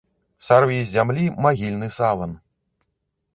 Сарві з зямлі магільны саван!